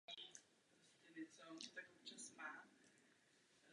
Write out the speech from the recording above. Je kronikářem města Dobrušky a v rámci své práce se věnuje především popularizaci historie.